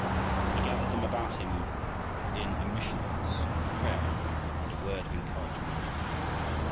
He gathered them about him in a mission house for prayer and a word of encouragement.